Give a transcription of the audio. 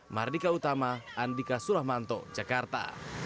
mardika utama andika suramanto jakarta